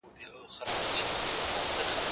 زه پرون سبزیجات جمع کړل!.